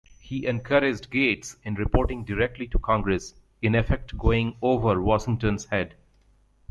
He encouraged Gates in reporting directly to Congress, in effect going over Washington's head.